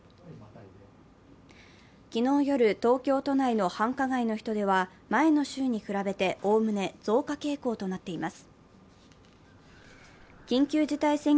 昨日夜、東京都内の繁華街の人出は前の週にくらべておおむね増加傾向となっています。